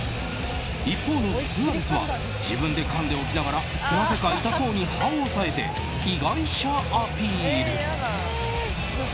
一方のスアレスは自分でかんでおきながらなぜか痛そうに歯を押さえて被害者アピール。